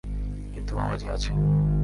কিন্তু মামাজী আছে।